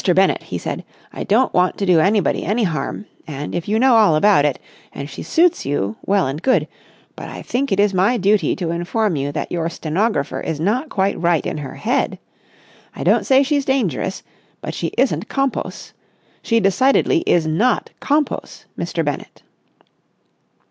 Bennett," he said, "I don't want to do anybody any harm, and, if you know all about it, and she suits you, well and good; but I think it is my duty to inform you that your stenographer is not quite right in her head. I don't say she's dangerous, but she isn't compos. She decidedly is not compos, Mr. Bennett!"